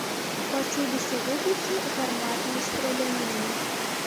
Пачуліся выбухі гарматнай страляніны.